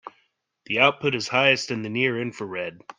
The output is highest in the near infrared.